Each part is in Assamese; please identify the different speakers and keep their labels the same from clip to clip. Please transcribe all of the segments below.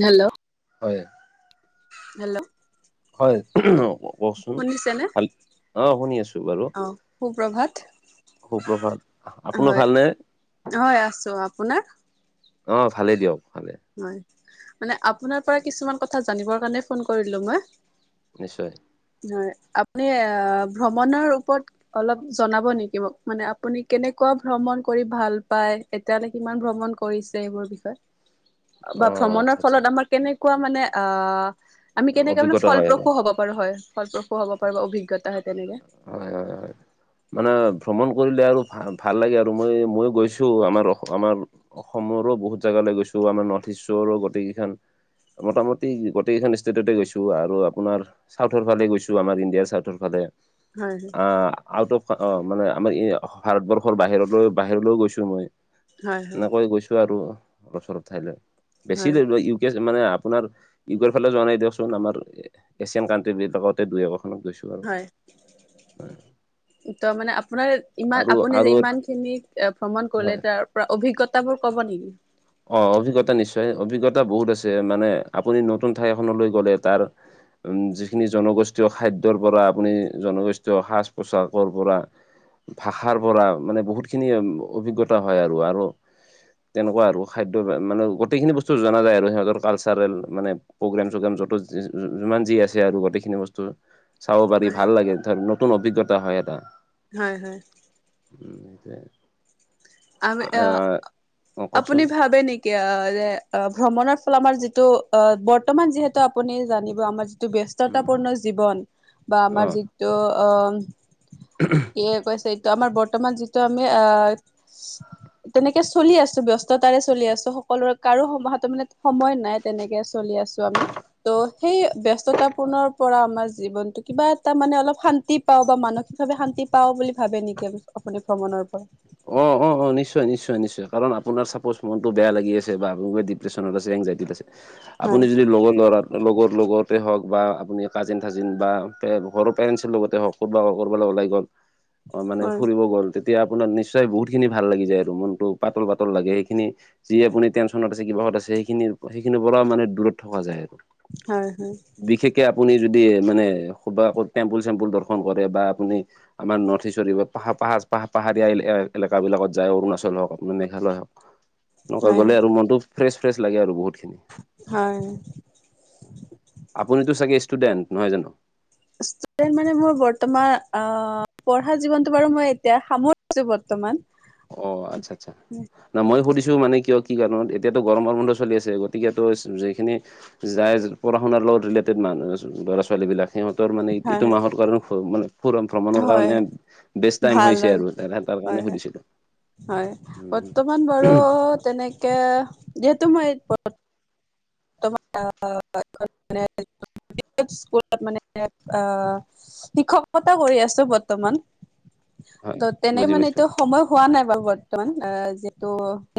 Speaker 1: হেল্ল'
Speaker 2: হয়।
Speaker 1: হেল্ল'।
Speaker 2: হয়, উ'ম, অ'।
Speaker 1: শুনিছেনে,
Speaker 2: শুনি আছো বাৰু
Speaker 1: অ' সুপ্ৰভাত।
Speaker 2: সুপ্ৰভাত, আপোনাৰ
Speaker 1: হয়
Speaker 2: ভালনে?
Speaker 1: হয় আছোঁ, আপোনাৰ?
Speaker 2: অ' ভালে দিয়ক ভালে।
Speaker 1: হয়, মানে আপোনাৰ পৰা কিছুমান কথা জানিবৰ কাৰণে ফোন কৰিলো মই।
Speaker 2: নিশ্চয়।
Speaker 1: হয়, আপুনি আ'হ ভ্ৰমণৰ ওপৰত। অলপ জনাব নেকি মোক মানে আপুনি কেনেকুৱা ভ্ৰমণ কৰি ভাল পায়? এতিয়ালৈ কিমান ভ্ৰমণ কৰিছে এইবোৰ বিষয়ত।
Speaker 2: অ
Speaker 1: বা
Speaker 2: আচ্ছা
Speaker 1: ভ্ৰমণৰ
Speaker 2: আচ্ছা
Speaker 1: ফলত আমাৰ কেনেকুৱা মানে আহ আমি কেনেকে মানে
Speaker 2: অভিজ্ঞতা হয় আৰু
Speaker 1: ফলপ্ৰসূ হ'ব পাৰো হয়। ফলপ্ৰসূ হ'ব পাৰো বা অভিজ্ঞতা হয় তেনেকে।
Speaker 2: হয় হয় হয় মানে ভ্ৰমণ কৰিলে আৰু ভা ভাল লাগে আৰু মই মইয়ো গৈছো আমাৰ, আমাৰ অসমৰো বহুত জেগালৈ গৈছো, আমাৰ নৰ্থ ইষ্টৰো গোটেইকেইখন মোটামুটি গোটেইকেইখন ষ্টেটতে গৈছোঁ। আৰু আপোনাৰ, চাউথৰ ফালে গৈছোঁ। আমাৰ ইণ্ডিয়াৰ চাউথৰ ফালে।
Speaker 1: হয় হয়
Speaker 2: অ'! আউট অফ, অ'! মানে, আমাৰ ভাৰতবৰ্ষৰ বাহিৰলৈ, বাহিৰলৈও গৈছোঁ মই।
Speaker 1: হয় হয়
Speaker 2: এনেকৈ গৈছো আৰু অলপ- চলপ ঠাইলৈ বেছি
Speaker 1: হয়
Speaker 2: লৈ ইউ মানে আপোনাৰ ইউৰোপৰ ফালে যোৱা নাই। দিয়কচোন আমাৰ এছিয়ান কাউন্ট্ৰী বিলাকতে দুই, এখনত গৈছো। আৰু।
Speaker 1: হয়! তাৰমানে, আপোনাৰ ইমান,
Speaker 2: আৰু
Speaker 1: আপুনি যে,
Speaker 2: আৰু
Speaker 1: ইমানখিনি ভ্ৰমণ কৰিলে,
Speaker 2: হয়
Speaker 1: তাৰ? অভিজ্ঞতা বোৰ ক'ব নেকি?
Speaker 2: অ'! অভিজ্ঞতা নিশ্চয়! অভিজ্ঞতা বহুত আছে। মানে, আপুনি নতুন ঠাই এখনলৈ গ'লে, তাৰ উম! যিখিনি জনগোষ্ঠীয় খাদ্যৰ পৰা, আপুনি জনগোষ্ঠীয় সাজ -পোচাকৰ পৰা, ভাষাৰ পৰা। মানে, বহুত খিনি অভিজ্ঞতা হয় আৰু, আৰু তেনেকুৱা আৰু। খাদ্য মানে, গোটেইখিনি বস্তু জনা যায় আৰু সিহঁতৰ কালচাৰেল মানে। প্ৰগ্ৰেম- চগ্ৰেম য'ত, যিমান যি আছে আৰু গোটেইখিনি বস্তু। চাব পাৰি,
Speaker 1: হয়
Speaker 2: ভাল লাগে! ধৰ নতুন অভিজ্ঞতা হয়, এটা।
Speaker 1: হয়, হয়।
Speaker 2: উম! নেযায়।
Speaker 1: আমি, আঁ
Speaker 2: অ কওকচোন
Speaker 1: আপুনি ভাবে নেকি? এতিয়া যে, অ'! ভ্ৰমণৰ ফলত, আমাৰ যিটো, অ'! বৰ্তমান যিহেতু, আপুনি জানিব। আমাৰ যিটো,
Speaker 2: উম
Speaker 1: ব্যস্ততাপূৰ্ণ জীৱন বা
Speaker 2: অ
Speaker 1: আমাৰ যিটো, আঁ
Speaker 2: [unintelligible]
Speaker 1: এইয়ে কৈছে! এইটো আমাৰ বৰ্তমান, যিটো আমি, আঁ তেনেকে চলি আছোঁ, ব্যস্ততাৰে চলি আছোঁ। সকলোৰে, কাৰো হাতত মানে, সময় নাই। তেনেকে চলি আছোঁ আমি। ত'! সেই, ব্যস্ততাপূৰ্ণ পৰা, আমাৰ জীৱনটো কিবা এটা মানে, অলপ শান্তি পাওঁ বা মানসিকভাৱে শান্তি পাওঁ বুলি, ভাবে নেকি আপুনি ভ্ৰমণৰ পৰা?
Speaker 2: অ' অ' অ'! নিশ্চয়, নিশ্চয়, নিশ্চয়। কাৰণ, আপোনাৰ চাপোজ, মনটো বেয়া লাগি আছে বা আপোনি ডিপ্ৰেছন আছে, এনজাইটিত আছে।
Speaker 1: হয়
Speaker 2: আপোনি যদি, লগৰ ল'ৰা লগৰ লগতে হওঁক বা আপুনি, কাজিন- চাজিন বা পে, ঘৰৰ পেৰেণ্টছৰ লগতে হওঁক, ক'ৰবাত ক'ৰবালৈ ওলাই গ'ল।
Speaker 1: [inaudible]
Speaker 2: অ'! মানে,
Speaker 1: হয়
Speaker 2: ফুৰিব গ'ল। তেতিয়া, আপোনাৰ নিশ্চয় বহুত খিনি ভাল লাগি যায় আৰু মনটো পাতল- পাতল লাগে সেইখিনি। যি আপুনি টেঞ্চনত আছে, কিবাহত আছে। সেইখিনি, সেইখিনিৰ পৰা মানে, দূৰত থকা যায় আৰু।
Speaker 1: হয়, হয়।
Speaker 2: বিশেষকে, আপুনি যদি মানে, [unintelligible] ক'ত টেম্পুল-চেম্পুল দৰ্শন কৰে বা আপুনি আমাৰ, নৰ্থ ইষ্ট [unintelligible] পাহা- পাহা পাহাৰীয়া এলে, এ এলেকাবিলাকত যায়, অৰুণাচল হওঁক, আপোনাৰ মেঘালয় হওঁক, এনেকুৱা
Speaker 1: হয় হয়
Speaker 2: গ'লে আৰু মনটো ফ্ৰেছ- ফ্ৰেছ লাগে আৰু বহুতখিনি।
Speaker 1: হয়!
Speaker 2: আপুনিতো চাগে, ষ্টুডেণ্ট নহয় জানোঁ?
Speaker 1: ষ্টুডেন্ট মানে, মোৰ বৰ্তমান অ'! পঢ়া জীৱনটো বাৰু মই, এতিয়া সামৰিছোঁ বৰ্তমান।
Speaker 2: অ'! আচ্ছা, আচ্ছা। না মই সুধিছোঁ মানে, কিয় কি কাৰণত? এতিয়াতো গৰমৰ বন্ধ চলি আছে। গতিকে, ত' যিখিনি যায়। পঢ়া- শুনাৰ লগত ৰিলেটেড মানুহ, ল'ৰা- ছোৱালীবিলাক। সিহঁতৰ মানে,
Speaker 1: হয়
Speaker 2: এইটো
Speaker 1: হয়
Speaker 2: মাহৰ কাৰণে মানে ভ্ৰমণৰ
Speaker 1: হয়
Speaker 2: কাৰণে, বেষ্ট টাইম হৈছে আৰু। তাৰ
Speaker 1: হয়
Speaker 2: কাৰণে
Speaker 1: হয়
Speaker 2: সুধিছিলোঁ।
Speaker 1: হয়! বৰ্তমান বাৰু তেনেকে, যিহেতু মই [unintelligible] স্কুলত মানে, আঁ শিক্ষকতা কৰি আছোঁ, বৰ্তমান।
Speaker 2: হয়
Speaker 1: ত' তেনে
Speaker 2: বুজি
Speaker 1: মানে,
Speaker 2: পাইছো
Speaker 1: এইটো সময় হোৱা নাই বাৰু বৰ্তমান। আঁ যিহেতু,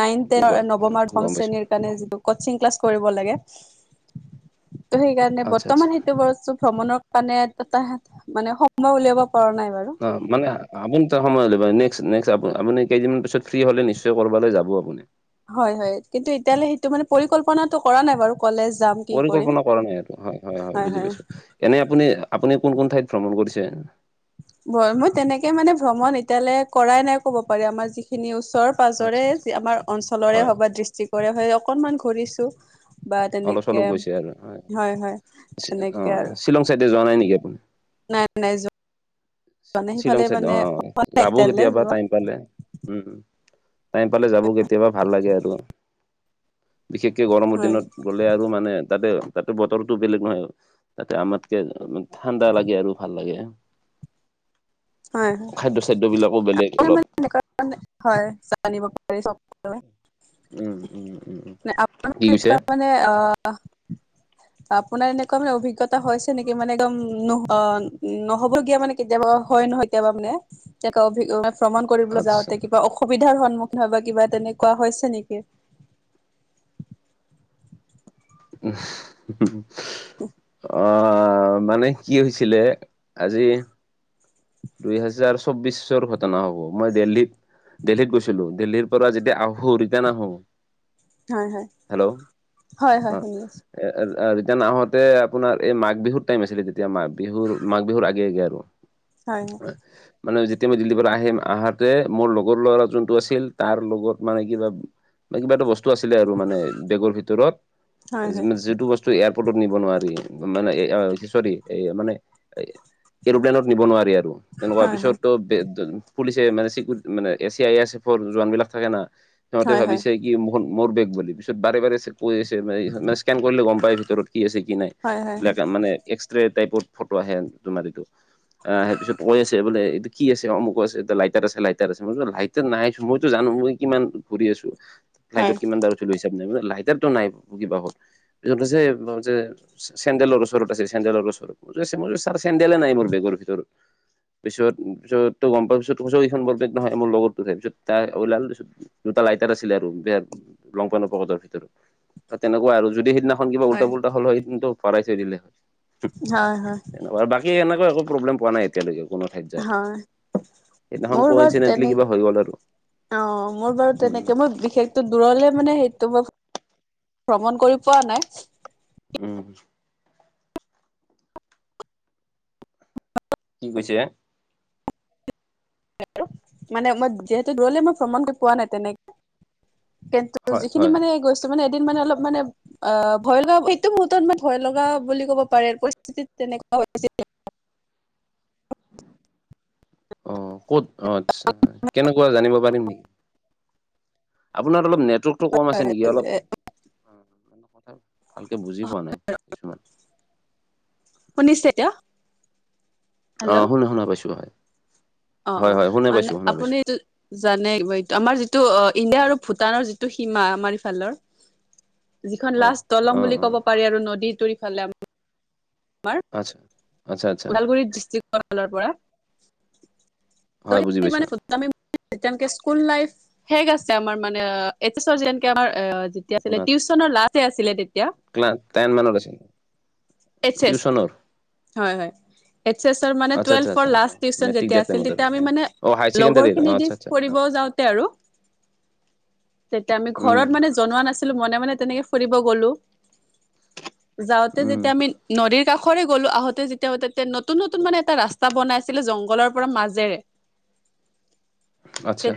Speaker 1: নাইন-টেনৰ, নৱম আৰু দশম
Speaker 2: গম পাইছো
Speaker 1: শ্ৰেণীৰ কাৰণে, কচিং ক্লাছ কৰি হ'ব লাগে। সেইকাৰণে,
Speaker 2: আচ্ছা আচ্ছা
Speaker 1: বৰ্তমান সেইটো বস্তু ভ্ৰমণৰ কাৰণে, এটা মানে, সময় উলিয়াব পৰা নাই বাৰু।
Speaker 2: অ'! মানে, [unintelligible] আপুনি কেইদিনমান পিছত, ফ্ৰী হ'লে নিশ্চয় কৰবালৈ যাব আপোনি?
Speaker 1: হয়, হয়! কিন্তু, এতিয়ালে সেইটো মানে, পৰিকল্পনাটো কৰা নাই বাৰু। কলেজ যাম কি কৰিম
Speaker 2: পৰিকল্পনা কৰা নাই এইটো, হয় হয় হয় বুজি পাইছো। এনেই আপুনি আপুনি কোন কোন ঠাইত ভ্ৰমণ কৰিছে?
Speaker 1: মই তেনেকে মানে ভ্ৰমণ এতিয়ালৈ কৰাই নাই ক'ব পাৰি আমাৰ যিখিনি ওচৰত
Speaker 2: আচ্ছা
Speaker 1: পাজৰে
Speaker 2: আচ্ছা
Speaker 1: যি আমাৰ অঞ্চলৰে
Speaker 2: হয়
Speaker 1: হওক বা ডিষ্ট্ৰিকৰে হয় অকনমান ঘূৰিছো। বা
Speaker 2: অলপ চলপ
Speaker 1: তেনেকে
Speaker 2: গৈছে আৰু
Speaker 1: হয় হয়,
Speaker 2: অ
Speaker 1: তেনেকে আৰু।
Speaker 2: শ্বিলং চাইতে যোৱা নাই নেকি আপোনি?
Speaker 1: নাই নাই যোৱা। নাই
Speaker 2: শ্বিলং
Speaker 1: সিফালে
Speaker 2: চাইদ
Speaker 1: মানে
Speaker 2: অ, যাব
Speaker 1: এতিয়ালৈ
Speaker 2: কেতিয়াবা
Speaker 1: যোৱা
Speaker 2: টাইম পালে। উম টাইম পালে যাব কেতিয়াবা ভাল লাগে আৰু। বিশেষকে গৰমৰ
Speaker 1: হয়
Speaker 2: দিনত, গ'লে আৰু মানে তাতে তাতে বতৰটো বেলেগ নহয়, তাতে আমাতকে ঠাণ্ডা লাগে আৰু ভাল লাগে।
Speaker 1: হয় [unintelligible] হয়।
Speaker 2: খাদ্য চাদ্য বিলাকো বেলেগ অলপ
Speaker 1: পাৰি
Speaker 2: উম উম উম উম কি কৈছে
Speaker 1: [unintelligible] মানে অ আপোনাৰ এনেকুৱা মানে অভিজ্ঞতা হৈছে নেকি, মানে একদম নহ নহবগীয়া মানে কেতিয়াবা হয় নহয় কেতিয়াবা মানে, অভি ভ্ৰমণ কৰিবলৈ
Speaker 2: আচ্ছা
Speaker 1: যাওঁতে অসুবিধাৰ সন্মুখীন হয় বা কিবা তেনেকুৱা হৈছে নেকি।
Speaker 2: হু হু অ অ মানে কি হৈছিলে, আজি দুইহেজাৰ চৌবিশ চৰ ঘটনা হব। মই দিল্লীত দিল্লীত গৈছিলো, দিল্লিৰ পৰা যেতিয়া আহো ৰিটাৰ্ণ আহো!
Speaker 1: হয় হয়
Speaker 2: হেল্ল',
Speaker 1: হয় হয় শুনি
Speaker 2: অহ,
Speaker 1: আছো
Speaker 2: এ ৰিটাৰ্ণ আহোতে আপোনাৰ এই মাঘ বিহুৰ টাইম আছিলে তেতিয়া, মাঘ বিহুৰ - মাঘ বিহুৰ আগে- আগে আৰু। হয়। মানে যেতিয়া মই দিল্লীৰ পৰা আহিম। আহাতে মোৰ লগৰ ল'ৰা যোনটো আছিল তাৰ লগত মানে কিবা বা কিবা এটা বস্তু আছিলে আৰু মানে বেগৰ ভিতৰত,
Speaker 1: হয় হয়
Speaker 2: যিটো বস্তু এয়াৰপৰ্ট নিব নোৱাৰি মানে চৰি, মানে এৰোপ্লেনত আৰু তেনেকুৱা
Speaker 1: হয়
Speaker 2: পিছতো পুলিচে মানে চিকিউ মানে এ চি আই এছ এফৰ জোৱান বিলাক থাকে না! সিহঁতে
Speaker 1: হয় হয় হয়
Speaker 2: ভাবিছে কি মোৰ বেগ বুলি, পিছত বাৰে বাৰে কৈ আছে স্কেন কৰিলে গম পায় ভিতৰত কি আছে কি নাই।
Speaker 1: হয় হয় হয়
Speaker 2: এইবিলাক মানে এক্সৰে টাইপৰ ফটো আহে তোমাৰ এইটো আহ সেই পিছ কৈ আছেবোলে এই কি আছে, অমুক আছে লাইটাৰ আছে লাইটাৰ আছে মই লাইটাৰ নাই মইতো জানো মই কিমান ঘূৰি আছো,
Speaker 1: হয়
Speaker 2: ফ্লাইটত কিমান দছিলো হিচাপ নাই মানে লাইটাৰতটো নাই কিবাহত। পিছত কৈছে যে চেণ্ডেলৰ ওচৰত আছে, চেণ্ডেলৰ ওচৰত। [unintelligible] মোৰ ছাৰ চেণ্ডেলে নাই মোৰ বেগৰ ভিতৰত। পিছত- পিছত তই গম পিছত ত কছখন বলে নহয়, মোৰ লগতো উঠে পিছত ত ওলাল পিছত দুটা লাইটাৰ আছিলে আৰু বেয়া লং পেণ্টৰ পকেটৰ ভিতৰত। তেনেকুৱা আৰু যদি সিদিনা কিবা উল্টা পুল্টা হ'ল হয়, ন্তটো ভৰাই চৈ দিলে হয়।
Speaker 1: হয় হয় হয়
Speaker 2: বাক কী এনেকুৱা একো প্ৰব্লেম পোৱা নাই এতিয়ালৈকে কোনো ঠাইত
Speaker 1: হয়
Speaker 2: যা।
Speaker 1: মোৰ বাৰু তেনেক অ, মোৰ বাৰু
Speaker 2: উম
Speaker 1: তেনেকে মই বিশেষ টো দূৰলে মানে সেইটো মই ভ্ৰমণ কৰি পোৱা নাই।
Speaker 2: উম, কি কৈছে?
Speaker 1: মানে মই যিহেতু দূৰলে মই ভ্ৰমণক কৰি পোৱা নাই তেনেকে কিন্তু ত,
Speaker 2: হয়
Speaker 1: যিখিনি
Speaker 2: হয় হয়
Speaker 1: মানে গৈছো, মানে এদিমানে অলপ মানে অ, ভয় লগা এইটো মুহূৰ্তত মানে ভয় লগা বুলি ক'ব পাৰে পৰিস্থিতি তেনেকুৱা হৈছে এতিয়া।
Speaker 2: অ ক'ত অ ', আচ্ছা হয় কেনেকুৱা জানিব পাৰিম নেকি। আপোনাৰ অলপ নেটৱৰ্কটো কম আছে নেকি অলপ ক ভালকে বুজি পোৱা নাই। কিছুমান
Speaker 1: শুনিছে এতিয়া।
Speaker 2: অ,
Speaker 1: হেল্ল'
Speaker 2: শুনা - শুনা পাইছো হয়।
Speaker 1: অ',
Speaker 2: হয়
Speaker 1: অ',
Speaker 2: হয় শুনা
Speaker 1: মানে
Speaker 2: পাইছো শুনা পাইছো
Speaker 1: আপুনি জানে এই আমাৰ যিটো ইণ্ডিয়া আৰু ভূটানৰ যিটো সীমা আমাৰ ইফালৰ যিখন
Speaker 2: অ',
Speaker 1: লাষ্ট দলং
Speaker 2: অ',
Speaker 1: বুলি
Speaker 2: অ',
Speaker 1: ক'ব পাৰি আৰু নদীটোৰ ইফালে আমাৰ
Speaker 2: আচ্ছা, আচ্ছা, আচ্ছা,
Speaker 1: ওদালগুৰি ডিষ্ট্ৰিক্ট। ৰ পৰা
Speaker 2: হয়
Speaker 1: তই
Speaker 2: বুজি
Speaker 1: সেই
Speaker 2: পাইছোঁ।
Speaker 1: মানে আমিনকে স্কুল লাইফ হেগ আছে আমাৰ মানে এইছৰ যেনকে আমাৰ আছিল
Speaker 2: আপোনাৰ
Speaker 1: টিউচনৰ লাষ্টে আছিলে তেতিয়া।
Speaker 2: টেন মানত আছিল।
Speaker 1: এইচ এছ
Speaker 2: টিউচনৰ
Speaker 1: হয় - হয়। এইচ এছৰ মানে
Speaker 2: আচ্ছা, আচ্ছা,
Speaker 1: টুৱেলভৰ
Speaker 2: আচ্ছা, অ',
Speaker 1: লাষ্ট টিউচন
Speaker 2: মেট্ৰিক
Speaker 1: যেতিয়া
Speaker 2: দিয়াৰ
Speaker 1: আছিল
Speaker 2: টাইমত আৰু
Speaker 1: তেতিয়া আমি
Speaker 2: অ'।
Speaker 1: মানে
Speaker 2: অ', হায়াৰ
Speaker 1: লগৰ
Speaker 2: ছেকেণ্ডাৰীৰ
Speaker 1: খিনি
Speaker 2: অ',
Speaker 1: দি
Speaker 2: আচ্ছা, আচ্ছা,
Speaker 1: ফুৰিব
Speaker 2: অ',
Speaker 1: যাও। তে আৰু। তেতিয়া আমি
Speaker 2: উম,
Speaker 1: ঘৰত মানে জনোৱা নাছিলো মনে মনে তেনেকে ফুৰিব গলো। যাওঁতে যে
Speaker 2: উম,
Speaker 1: ম নদীৰ কাষৰে গ'লো আহোতে যেতিয়াতে নতুন - নতুন মানে এটা ৰাস্ত বনাই আছিলে জংঘলৰ পৰা মাজেৰে।
Speaker 2: আচ্ছা।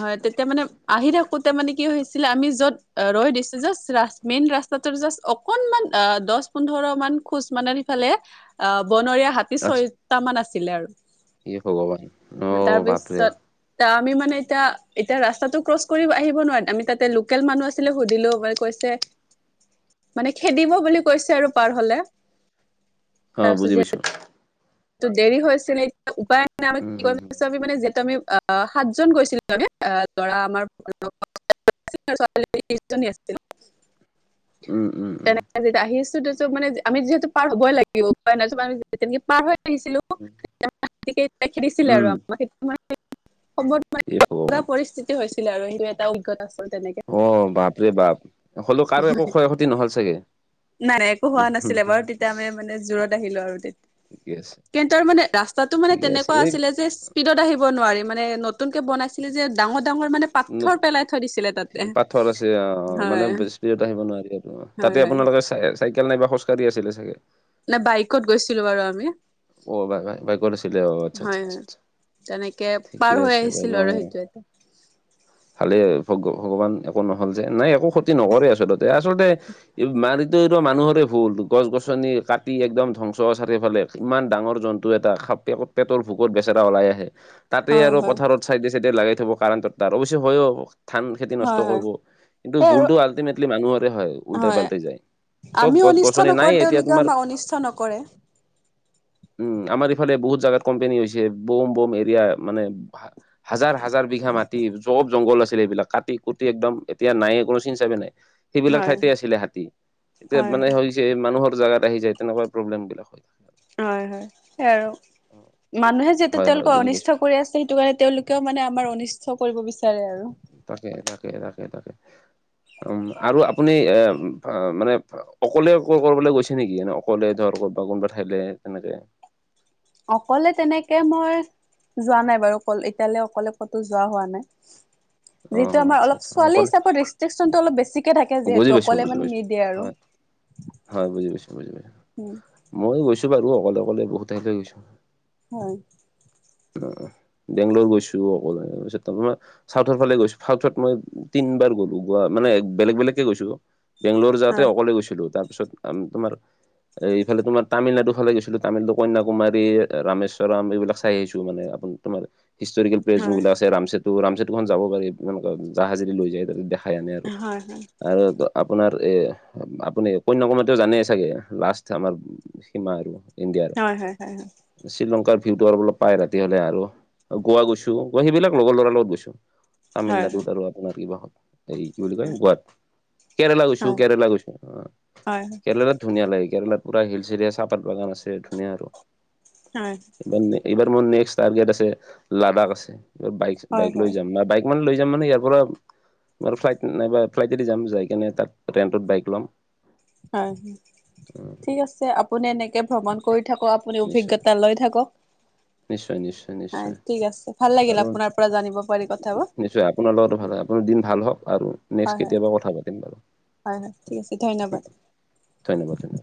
Speaker 1: হয় তেতিয়া মানে আহি থাকোতে মানে কি হৈছিলে আমি য'ত ৰৈ দিছো ৰা মেইন ৰাস্তা জাষ্ট অকনমান আ দ পোন্ধৰ মান খোজ মানে সেফালে আহ বনৰীয়া হাতী
Speaker 2: আচ্ছা।
Speaker 1: ছয়টা মান আছিলে
Speaker 2: ইয়ে ভগৱান
Speaker 1: আৰু।
Speaker 2: অ', বাপৰে
Speaker 1: তাৰপিছত তা আমি মানে এতিয়া এতিয়া ৰাস্তাটো ক্ৰচ কৰি আহিব নোৱাৰো আমি তাতে লোকেল মানুহ আছ- ছিলো সুধিলো কৈছে মানে খেদিব বুলি কৈছে আৰু পাৰ হ'লে।
Speaker 2: অ 'বুজি পাইছোঁ।
Speaker 1: টো দেৰি হৈছিলে এতিয়া উপায় নাই আমি
Speaker 2: উম,
Speaker 1: কি
Speaker 2: হুম, হুম।
Speaker 1: কৰিম আমি মানে যিহেতু আমি অ 'সাতজন গৈছিলে তানে অ' লৰা আমাৰ [unintelligible] কন আছিল [unintelligible]
Speaker 2: উম - উম - উম।
Speaker 1: তেনে যেতিয়া আহিছো মানে আমি যিহেতু পাৰ হবই লাগিব তেনেকে পাৰ হয় আহিছিলো খেদিছিলে
Speaker 2: উম,
Speaker 1: আৰুতি [unintelligible]
Speaker 2: ইয়ে ভগৱান
Speaker 1: পৰিস্থিতি হৈছিলে আৰু সেইটো এটা অভিজ্ঞতা আছিল। তেনেকে
Speaker 2: অ, বাপৰে বাপ হলেও কাৰো একো ক্ষয় ক্ষতি নহল চাগে।
Speaker 1: নাই - নাই একো হোৱা নাছিলে বাৰু তেতিয়া আমি মানে জোৰত আহিলো আৰু তে
Speaker 2: ঠিকে আছে।
Speaker 1: কিন্ত তাৰ মানে ৰাস্তাতটো মানে
Speaker 2: ঠিকে আছে,
Speaker 1: তেনেকুৱা
Speaker 2: এই
Speaker 1: আছিলে যে। পিডত আহিব নোৱাৰি মানে নতুনকৈ বনাইছিলে যে ডাঙৰ ডাঙৰ মানে
Speaker 2: নত
Speaker 1: পাথৰ পেলাই থৈ দিছিলে তাতে
Speaker 2: পাথৰ আছে অ মানে
Speaker 1: হয়
Speaker 2: স্পডত আহিব নোৱাৰি আৰু
Speaker 1: হয়
Speaker 2: তাতে
Speaker 1: হয়
Speaker 2: আপোনালোকে চাইকেল নাইবা খোজকাঢ়ি আছিলে চাগে।
Speaker 1: নে বাইকত গৈছিলো বাৰু আমি।
Speaker 2: অ' বাইকত কৰিছিলে অ আচ্ছা
Speaker 1: হয় হয়
Speaker 2: আচ্ছা
Speaker 1: তেনেকে
Speaker 2: ঠিকে
Speaker 1: পাৰ হৈ
Speaker 2: আছে বাৰু
Speaker 1: আহিছিলো আৰু
Speaker 2: অ'।
Speaker 1: সেইটো এটা।
Speaker 2: ভালে ভগ ভগৱান একো নহল যে নাই একো ক্ষতি নকৰে আচলতে, আচলতে এই মাৰোতো এইটো মানুহৰে ভুল গছ গছনি কাটি একদম ধ্বংস চাৰিওফালে ইমান ডাঙৰ জন্তু এটা খাপকে ক পেটৰ ভোকত বেচেৰা ওলাই আহে। তাতে
Speaker 1: হয়
Speaker 2: আৰু
Speaker 1: হয়
Speaker 2: পথাৰত চাইডে চাইডে লাগাই থব কাৰেণ্টত তাৰ অৱশ্যে হয়ও ধান। খেতি
Speaker 1: হয়
Speaker 2: নষ্ট
Speaker 1: হয়
Speaker 2: কৰিব কিন্তু
Speaker 1: সেই আৰু
Speaker 2: ভুলতটো আল্টিমেটলি মানুহৰে হয় উলটাই পাল্টাই যায়। চব
Speaker 1: আমিও
Speaker 2: গছ
Speaker 1: অনিষ্ট
Speaker 2: গছনি নাই
Speaker 1: নকৰো
Speaker 2: এতিয়া
Speaker 1: তেওঁলোকে
Speaker 2: তোমাৰ
Speaker 1: আমাক অনিষ্ট নকৰে।
Speaker 2: উম আমাৰ ইফালে বহুত জাগাত কোম্পোনী হৈছে বম বম এৰিয়া মানে হাজাৰ হাজাৰ বিঘা মাট- চব জংঘল আছিলে এইবিলাক কাটি কুটি একদম এতিয়া নাই কোনো চিন চাপে নাই। সেইবিলাক
Speaker 1: হয়
Speaker 2: ঠাইতে আছিলে হাতী এতিয়া
Speaker 1: হয়
Speaker 2: মানে
Speaker 1: হয়
Speaker 2: হৈছে মানুহৰ জাগাত আহি যায় তেনেকুৱা প্ৰব্লেম বিলাক হয়।
Speaker 1: হয় হয় সেইয়া আৰু মানুহে যেতিয়া
Speaker 2: হয় হয়
Speaker 1: তেওঁলোকক
Speaker 2: বুজি পাইছো
Speaker 1: অনিষ্ট কৰি আছে সেইটো কাৰণে তেওঁলোক- কিয় মানে আমাৰ অনিষ্ট কৰিব বিচাৰে আৰু।
Speaker 2: তাকে তাকে তাকে তাকে উ আৰু আপুনি এ মানে অকলে ক কৰবলে গৈছে নেকি এনে অকলে ধৰ কবা কোনোবা ঠাইলে তেনেকে।
Speaker 1: অকলে তেনেকে মই যোৱা নাই বাৰু ক এতিয়ালে অকলে ক'তো যোৱা হোৱা নাই।
Speaker 2: অ
Speaker 1: যিটো আমাৰ
Speaker 2: আচ্ছা
Speaker 1: অলপ
Speaker 2: আচ্ছা
Speaker 1: ছোৱালী
Speaker 2: অকলে
Speaker 1: হিচাপত ৰেষ্ট্ৰিকচনটো অলপ বেছিক- কে থাকে
Speaker 2: বুজি
Speaker 1: যিহেতু
Speaker 2: পাইছো
Speaker 1: অকলে
Speaker 2: বুজি
Speaker 1: মানে
Speaker 2: পাইছো
Speaker 1: নিদিয়ে আৰু।
Speaker 2: হয় হয় বুজি পাইছো বুজি পাইছো
Speaker 1: উম,
Speaker 2: মই গৈছো বাৰু অকলে অকলে বহু ঠাইলৈ গৈছোঁ।
Speaker 1: হয়।
Speaker 2: বেংগলৰ গৈছো অকলে তাৰ পিছত তামানে চাউথৰ ফালে গৈছো চাউথত মই তিন বাৰ গ'লো গোৱা মানে বেলেগ বেলেগ গৈছো বেংগলৰ যাওঁতে
Speaker 1: হয়,
Speaker 2: অকলে গৈছিলো তাৰপিছত তোমাৰ এ এইফালে তোমাৰ তামিলনাডু ফালে গৈছিলো তামিলনাডু কন্যাকুমাৰী, ৰামেশ্বৰাম এইবিলাক চাই আহিছো মানে। তোমাৰ হিষ্টৰিকেল প্লেছ
Speaker 1: হয়,
Speaker 2: যোনবিলাক আছে ৰামচেতো ৰামচেতুখন যাব পাৰি জাহাজী লৈ যায় তাতে দেখাই আনে আৰ।
Speaker 1: হয় হয়।
Speaker 2: আৰু আপোনাৰ এ আপুনি কন্যকুমাৰিটো জানেই চাগে লাষ্ট আমাৰ সীমা আৰু ইণ্ডিয়াত
Speaker 1: হয় হয় হয় হয়
Speaker 2: শ্ৰীলংকাৰ ভিউটো আৰু অলপ পায় ৰাতি হলে আৰু গোৱা গৈছো অ সেইবিলাক লগৰ ল'ৰাৰ লগত গৈছো
Speaker 1: হয়, হয়।
Speaker 2: তামিলনাডুত আৰু আপোনাৰ কিবা হত হৰি কি বুলি কয় গোৱাত কেৰেলা গৈছো
Speaker 1: হয়,
Speaker 2: কেৰেলা গৈছো অ
Speaker 1: হয়,
Speaker 2: কেৰেলাত ধুনীয়া লাগে কেৰেলাত পুৰা হিলছ এৰিয়া চাহপাত বাগান আছে ধুনীয়া আৰু
Speaker 1: হয়।
Speaker 2: মানে এইবাৰ মোৰ নেক্সট টাৰ্গেট আছে লাডাখ আছে, বাইক বাইক লৈ
Speaker 1: হয়,
Speaker 2: যাম না বাইক অকমান লৈ যাম মানে ইয়াৰ পৰা ফ্লাইট নাইবা ফ্লাইট জিদি যাম যাই কিনে তাক ৰেনট্ৰত বাইক ল'ম।
Speaker 1: হয় ঠিক আছে আপুনি এনেকৈ ভ্ৰমণ কৰি থাকক আপুনি
Speaker 2: নিশ্চয়।
Speaker 1: অভিজ্ঞতা লৈ থাকক।
Speaker 2: নিশ্চয় নিশ্চয়।
Speaker 1: হয়,
Speaker 2: নিশ্চয়
Speaker 1: ঠিক আছে ভাল লাগিল
Speaker 2: আৰু
Speaker 1: আপোনাৰ পৰা জানিব পাৰি কথাবোৰ
Speaker 2: নিশ্চয় আপোনাৰ লগতো ভাল হয় আপোনাৰ দিন ভাল হওক আৰু।
Speaker 1: হয়,
Speaker 2: নেক্সট
Speaker 1: হয়।
Speaker 2: কেতিয়াবা কথা পাতিম বাৰু।
Speaker 1: হয় হয় ঠিক আছে ধন্যবাদ।
Speaker 2: ধন্যবাদ ধন্যবাদ